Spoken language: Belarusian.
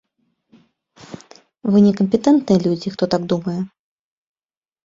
Вы не кампетэнтныя людзі, хто так думае.